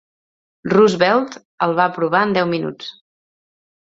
Roosevelt el va aprovar en deu minuts.